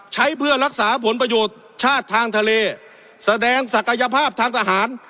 ใช้เพื่อรักษาผลประโยชน์ชาติทางทะเลแสดงศักยภาพทางทหาร